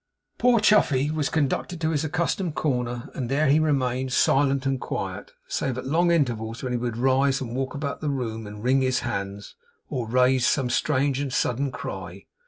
Poor Chuffey was conducted to his accustomed corner, and there he remained, silent and quiet, save at long intervals, when he would rise, and walk about the room, and wring his hands, or raise some strange and sudden cry.